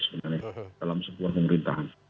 sebenarnya dalam sebuah pemerintahan